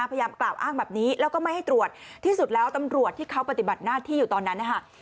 พยายามกล่าวอ้างแบบนี้แล้วก็ไม่ให้ตรวจที่สุดแล้วตำรวจที่เขาปฏิบัติหน้าที่อยู่ตอนนั้นนะคะ